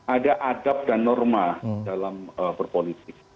ada adab dan norma dalam berpolitik